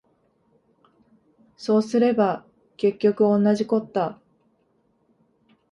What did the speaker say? そうすれば結局おんなじこった